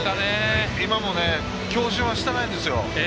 今も強振はしてないんですよ。